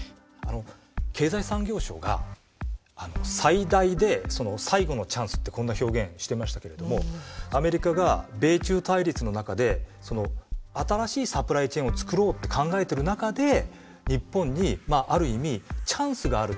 経済産業省が「最大で最後のチャンス」ってこんな表現していましたけれどもアメリカが米中対立の中で新しいサプライチェーンを作ろうって考えてる中で日本にある意味チャンスがある。